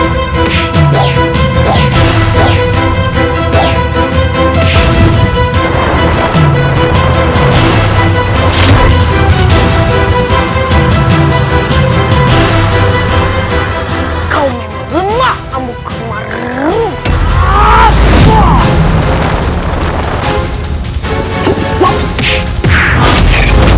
kau memang lemah amuk marung